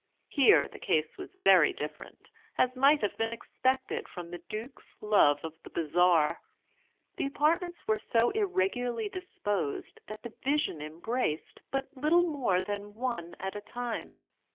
Here the case was very different; as might have been expected from the duke's love of the bizarre. The apartments were so irregularly disposed that the vision embraced but little more than one at a time.